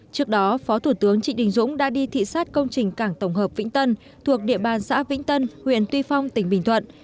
trước đó phó thủ tướng trịnh đình dũng đã đi thị xát công trình cảng tổng hợp vĩnh tân thuộc địa bàn xã vĩnh tân huyện tuy phong tỉnh bình thuận